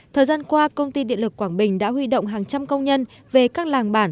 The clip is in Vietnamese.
thời gian qua công ty điện lực quảng bình đã huy động hàng trăm công nhân về các làng bản